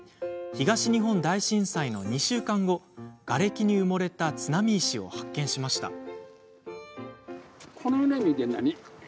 東日本大震災の２週間後瓦礫に埋もれた津波石を発見しました。